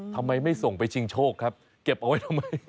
ทำไมไม่ส่งไปชิงโชคครับเก็บเอาไว้ทำไม